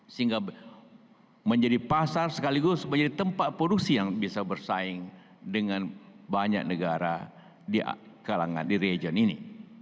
sehingga menjadi pasar sekaligus menjadi tempat produksi yang bisa bersaing dengan banyak negara di kalangan di region ini